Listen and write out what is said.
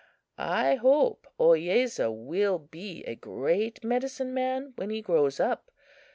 I hope Ohiyesa will be a great medicine man when he grows up.